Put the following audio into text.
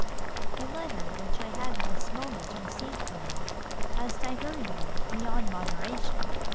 "The letter which I have this moment received from you has diverted me beyond moderation.